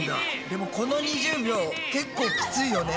でもこの２０秒結構きついよね。